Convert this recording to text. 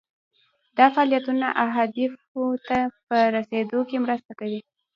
دا فعالیتونه اهدافو ته په رسیدو کې مرسته کوي.